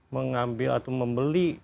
mengambil atau membeli